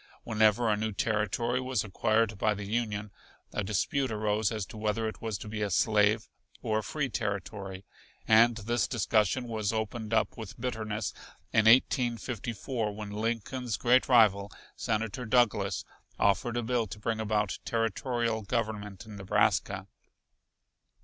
Whenever a new territory was acquired by the Union a dispute arose as to whether it was to be a slave or a free territory, and this discussion was opened up with bitterness in 1854 when Lincoln's great rival, Senator Douglas, offered a bill to bring about territorial government in Nebraska.